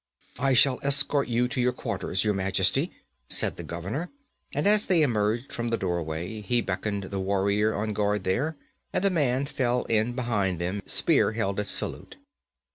'I shall escort you to your quarters, Your Majesty,' said the governor, and as they emerged from the doorway, he beckoned the warrior on guard there, and the man fell in behind them, spear held at salute.